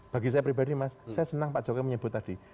bagi saya pribadi mas saya senang pak jokowi menyebut tadi